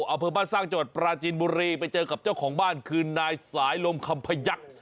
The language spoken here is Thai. อำเภอบ้านสร้างจังหวัดปราจีนบุรีไปเจอกับเจ้าของบ้านคือนายสายลมคำพยักษ์